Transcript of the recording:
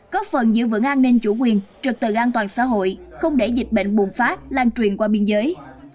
góp phần giữ vững an ninh chủ quyền trực tự an toàn xã hội không để dịch bệnh bùng phát lan truyền qua biên giới